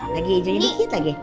lagi jangannya dikit lagi